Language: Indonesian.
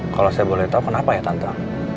kalau saya boleh tau kenapa ya tante